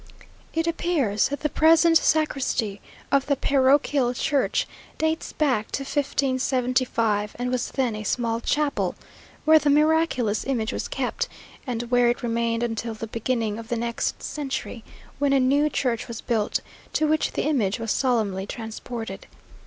It appears that the present sacristy of the parochial church dates back to 1575, and was then a small chapel, where the miraculous image was kept, and where it remained until the beginning of the next century, when a new church was built, to which the image was solemnly transported.